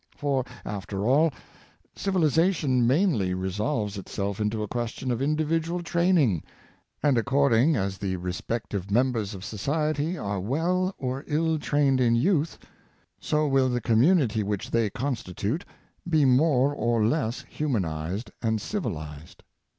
For, after all, civiliza tion mainly resolves itself into a question of individual training, and according as the respective members of society are well or ill trained in youth, so will the com munity which they constitute be more or less human ized and civilized.